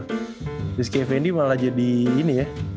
rizky effendi malah jadi ini ya